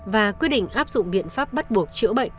và quyết định áp dụng biện pháp bắt buộc chữa bệnh